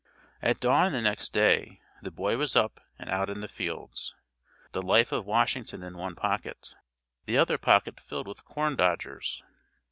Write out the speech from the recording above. At dawn the next day the boy was up and out in the fields, the "Life of Washington" in one pocket, the other pocket filled with corn dodgers.